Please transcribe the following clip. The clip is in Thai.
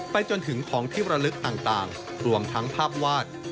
จนถึงของที่ระลึกต่างรวมทั้งภาพวาด